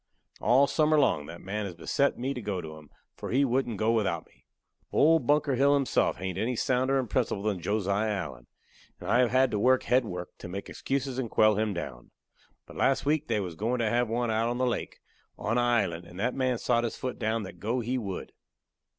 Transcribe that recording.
All summer long that man has beset me to go to 'em, for he wouldn't go without me. Old Bunker Hill himself hain't any sounder in principle than Josiah Allen, and I have had to work head work to make excuses and quell him down. But last week they was goin' to have one out on the lake, on a island, and that man sot his foot down that go he would.